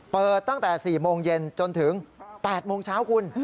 เปิดตั้งแต่๔โมงเย็นจนถึง๘โมงเช้าคุณ